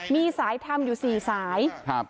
มีสายธรรมอยู่สี่สายครับ